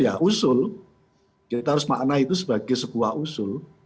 ya usul kita harus makna itu sebagai sebuah usul